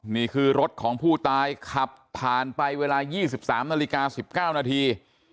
นี่คือรถของผู้ตายขับผ่านไปเวลา๒๓นาฬิกา๑๙นาที